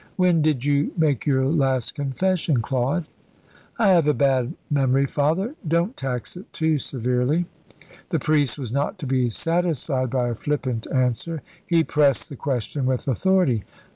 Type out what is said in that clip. When did you make your last confession, Claude?" "I have a bad memory, Father. Don't tax it too severely." The priest was not to be satisfied by a flippant answer. He pressed the question with authority.